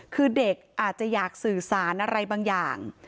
คือเด็กอาจจะอยากสื่อสารอะไรบางอย่าง